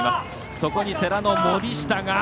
そこに世羅の森下が。